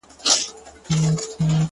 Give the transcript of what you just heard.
• د کښتۍ د چلولو پهلوان یې,